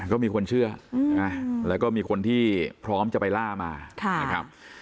ก็มีคนเชื่อแล้วก็มีคนที่พร้อมจะไปล่ามานะครับ